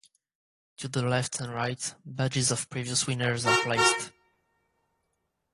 To the left and right, badges of previous winners are placed.